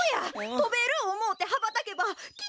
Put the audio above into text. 「とべる」おもうてはばたけばきっととべるで！